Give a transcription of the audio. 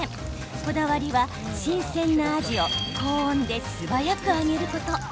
こだわりは新鮮なアジを高温で素早く揚げること。